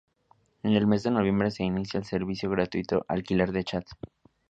En el mes de noviembre se inicia el servicio gratuito "Alquiler de chat".